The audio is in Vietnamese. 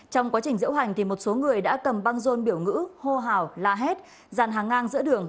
trong quá trình diễu hành một số người đã cầm băng rôn biểu ngữ hô hào la hét dàn hàng ngang giữa đường